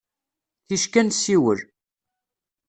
Ticki ad nessiwel.